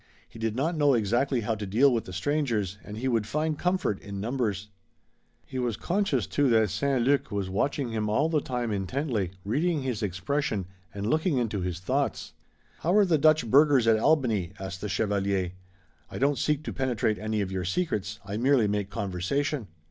He did not know exactly how to deal with the strangers and he would find comfort in numbers. He was conscious, too, that St. Luc was watching him all the time intently, reading his expression and looking into his thoughts. "How are the good Dutch burghers at Albany?" asked the chevalier. "I don't seek to penetrate any of your secrets. I merely make conversation."